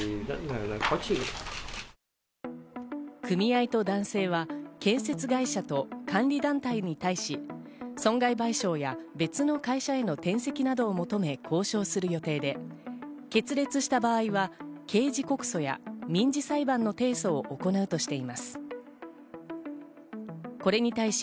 組合と男性は建設会社と監理団体に対し、損害賠償や別の会社への転籍などを求め交渉する予定で、決裂した場合は刑事告訴や民事裁判の提訴を行うとしています。